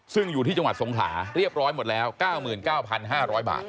ซึ่งอยู่ที่จังหวัดสงขลาเรียบร้อยหมดแล้ว๙๙๕๐๐บาท